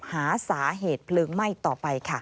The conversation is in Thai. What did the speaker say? หาสาเหตุเพลิงไหม้ต่อไปค่ะ